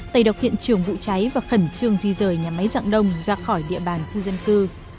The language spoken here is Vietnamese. tây độc hiện trường vụ cháy và khẩn trương di rời nhà máy dạng đông ra khỏi địa bàn khu dân cư